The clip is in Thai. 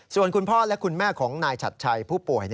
ส่วนคุณพ่อและคุณแม่ของนายฉัดชัยผู้ป่วย